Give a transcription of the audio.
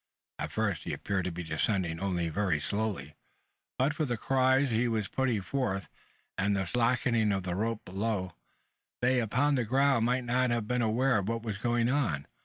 At first, he appeared to be descending only very slowly; and, but for the cries he was putting forth, and the slackening of the rope below, they upon the ground might not have been aware of what was going on.